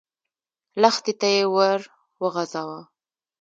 لښتي ته يې ور وغځاوه.